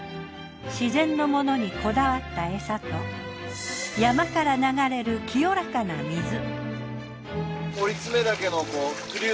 自然のものにこだわった餌と山から流れる清らかな水。